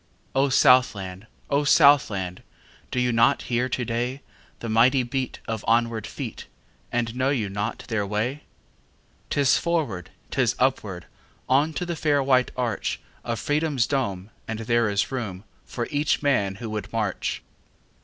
O Southland! O Southland! Do you not hear to dayThe mighty beat of onward feet, And know you not their way?'Tis forward, 'tis upward, On to the fair white archOf Freedom's dome, and there is roomFor each man who would march.